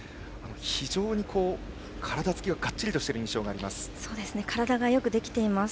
非常に体つきががっちりしている印象があります。